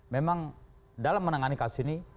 memang dalam menangani kasus ini